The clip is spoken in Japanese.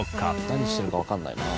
「何してるかわからないな」